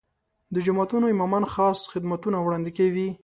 د جوماتونو امامان خاص خدمتونه وړاندې کوي.